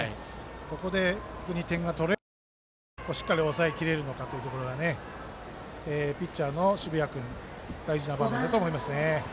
ここで、点が取れるのかしっかり抑えきれるのかというところがピッチャーの澁谷君大事な場面だと思いますね。